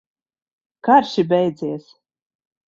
Karš ir beidzies!